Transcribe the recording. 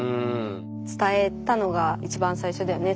伝えたのが一番最初だよね？